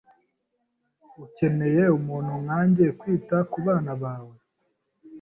Ukeneye umuntu nkanjye kwita kubana bawe.